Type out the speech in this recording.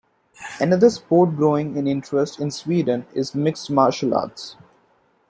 Another sport growing in interest in Sweden is mixed martial arts.